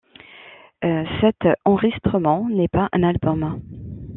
Cet enristrement n'est pas un album.